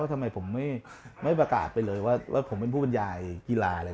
ทำไมผมไม่ประกาศไปเลยอย่างความผู้บรรยายกีฬา